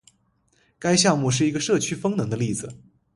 该项目是一个社区风能的例子。